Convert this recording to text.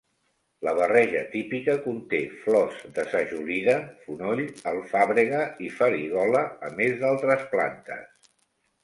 La barreja típica conté flors de sajolida, fonoll, alfàbrega, i farigola a més d'altres plantes.